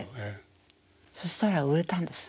そしたら売れたんです。